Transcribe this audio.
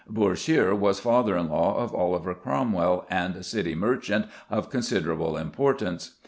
Bourchier was father in law of Oliver Cromwell, and a City merchant of considerable importance.